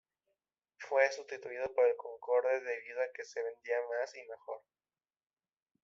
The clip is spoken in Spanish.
Fue sustituido por el Concorde debido a que se vendía más y mejor.